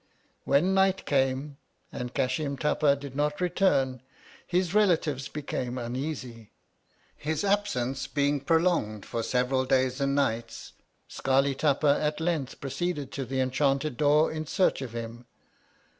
When night came, and Cashim Tapa did not return, his relatives became uneasy. His absence being prolonged for several days and nights, Scarli Tapa at length proceeded to the enchanted door in search of him.